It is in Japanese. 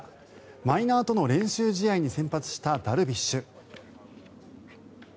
マイナーとの練習試合に先発したダルビッシュ。